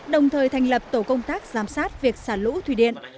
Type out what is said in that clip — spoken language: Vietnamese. đồng thời thành lập tổ công tác giám sát việc xả lũ thủy điện